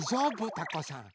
たこさん。